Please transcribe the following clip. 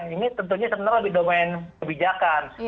ini tentunya sebenarnya lebih domain kebijakan